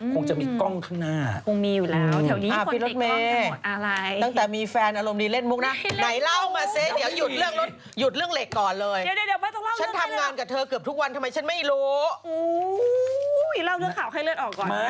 คงจะมีกล้องข้างหน้า